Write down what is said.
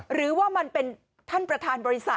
หรือว่ามันเป็นท่านประธานบริษัท